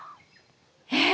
えっ！